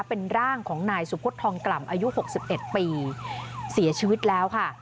เป็นร่างของนายสุพธทองกล่ำอายุ๖๑ปีเสียชีวิตแล้วค่ะ